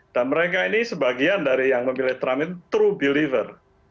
dan mereka ini sebagian dari yang memilih trump itu true believer